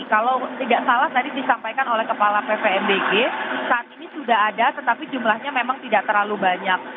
kalau tidak salah tadi disampaikan oleh kepala pvmbg saat ini sudah ada tetapi jumlahnya memang tidak terlalu banyak